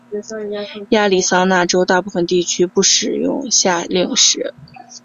亚利桑那州大部分地区不使用夏令时。